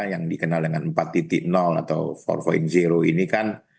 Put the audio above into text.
yang dikenal dengan empat atau empat ini kan